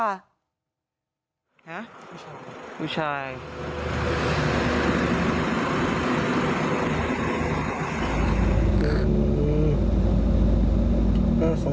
ฮะผู้ชายเหรอครับผู้ชาย